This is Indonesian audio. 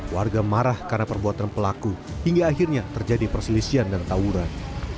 warga marah karena perbuatan pelaku hingga akhirnya terjadi perselisihan dan tawuran